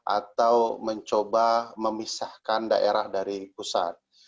atau mencoba memisahkan daerah dari pusat